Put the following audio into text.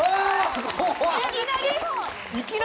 すごい！